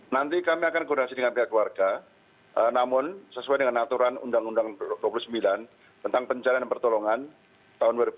nanti kami akan koordinasi dengan pihak keluarga namun sesuai dengan aturan undang undang dua puluh sembilan tentang pencarian dan pertolongan tahun dua ribu delapan belas